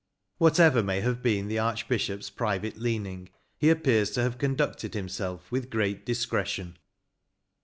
Whatever may have been the Archbishop's private leaning, he appears to have conducted himself with great dis cretion."